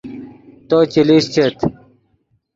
تو چے لیشچیت